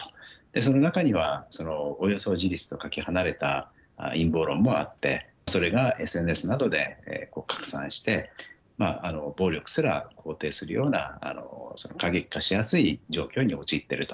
その中には、およそ事実とかけ離れた陰謀論もあってそれがＳＮＳなどでこう拡散して暴力すら肯定するような過激化しやすい状況に陥っていると。